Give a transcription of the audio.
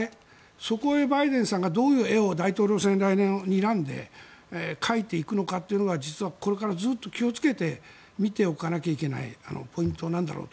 そこへバイデンさんがどういう絵を大統領選、来年にらんで描いていくのかというのが実はこれからずっと気をつけて見ておかなきゃいけないポイントなんだろうと。